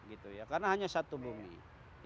maka kita yang akan menjadi pendopeng untuk menjaga bumi ini